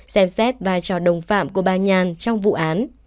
xem xét vai trò đồng phạm của bà nhàn trong vụ án